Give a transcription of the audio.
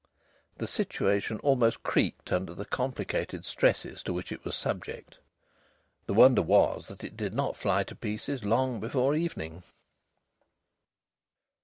The situation almost creaked under the complicated stresses to which it was subject. The wonder was that it did not fly to pieces long before evening.